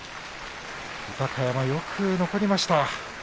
豊山、よく残りました。